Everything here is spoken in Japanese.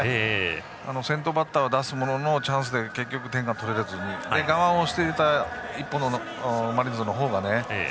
先頭バッターを出すもチャンスで結局点が取れずに我慢をしていた一方のマリーンズのほうがね。